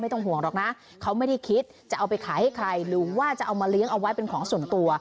ต้องห่วงหรอกนะเขาไม่ได้คิดจะเอาไปขายให้ใครหรือว่าจะเอามาเลี้ยงเอาไว้เป็นของส่วนตัว